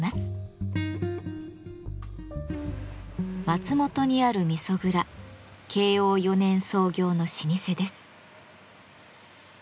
松本にある味噌蔵慶応４年創業の老舗です。